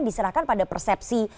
diserahkan pada persepsi